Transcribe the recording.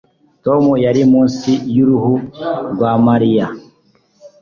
Tom yari munsi y'uruhu rwa Mariya